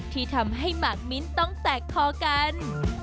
ที่ทำให้หมากมิ้นต้องแตกคอกัน